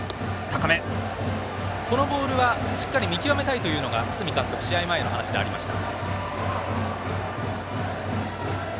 このボールはしっかり見極めたいというのが堤監督試合前の話でありました。